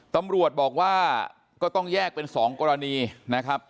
ตำรวจบอกว่าก็ต้องแยกเป็น๒กรณีนะครับ